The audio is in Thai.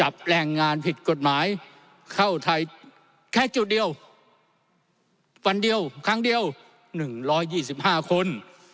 วันเดียวครั้งเดียวหนึ่งร้อยยี่สิบห้าคน